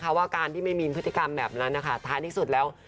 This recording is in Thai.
เพราะว่าการที่ไม่มีพฤติกรรมแบบนั้นนะคะท้ายที่สุดแล้ว